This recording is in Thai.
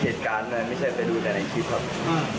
เหตุการณ์ไม่ใช่ไปดูในคลิปครับ